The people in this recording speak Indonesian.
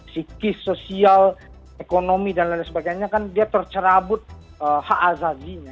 psikis sosial ekonomi dan lain sebagainya kan dia tercerabut hak azazinya